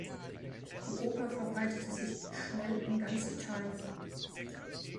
Die Oper verbreitete sich schnell in ganz Italien.